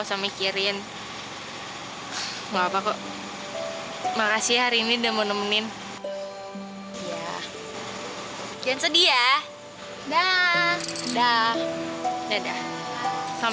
sampai besok ya